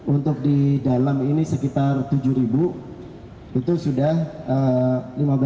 untuk di dalam perusahaan ini kita sudah melakukan perusahaan yang berbeda